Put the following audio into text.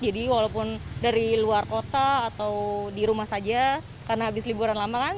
walaupun dari luar kota atau di rumah saja karena habis liburan lama kan